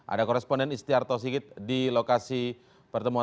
ada koresponden istiarto sigit di lokasi pertemuan